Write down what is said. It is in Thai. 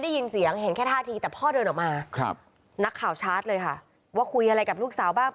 ที่นี้นิ่มคุยกับพ่อ